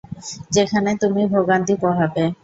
যেখানে তুমি ভোগান্তি পোহাবে।